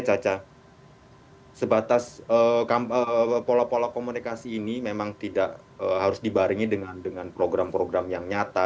caca sebatas pola pola komunikasi ini memang tidak harus dibarengi dengan program program yang nyata